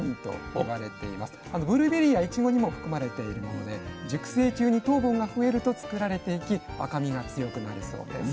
ブルーベリーやイチゴにも含まれているもので熟成中に糖分が増えると作られていき赤みが強くなるそうです。